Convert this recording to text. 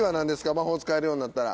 魔法使えるようになったら。